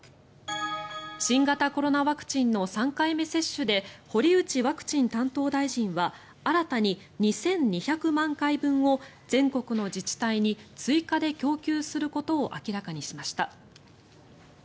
新型コロナワクチンの３回目接種で堀内ワクチン担当大臣は新たに２２００万回分を全国の自治体に追加で供給することを明らかにしました。